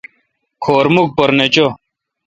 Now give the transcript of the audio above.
کھور مکھ پر نہ چو۔